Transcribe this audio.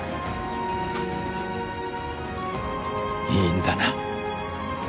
いいんだな？